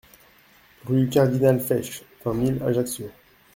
Rue Cardinal Fesch, vingt mille Ajaccio